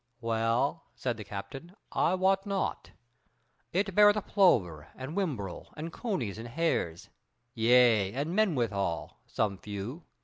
"Well," said the captain, "I wot not; it beareth plover and whimbrel and conies and hares; yea, and men withal, some few.